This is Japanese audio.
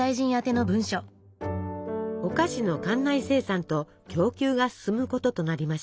お菓子の艦内生産と供給が進むこととなりました。